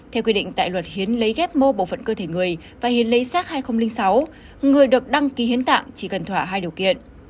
theo quy định tại luật hiến lấy ghép mô bộ phận cơ thể người và hiến lấy sát hai nghìn sáu người được đăng ký hiến tạng chỉ cần thỏa hai điều kiện